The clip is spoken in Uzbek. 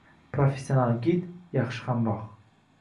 Professional gid – yaxshi hamroh